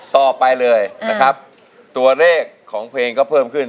ต่อไปเลยนะครับตัวเลขของเพลงก็เพิ่มขึ้น